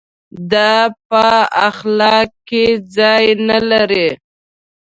دا په اخلاق کې ځای نه لري.